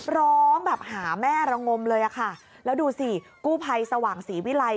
ร้องแบบหาแม่ระงมเลยอะค่ะแล้วดูสิกู้ภัยสว่างศรีวิลัย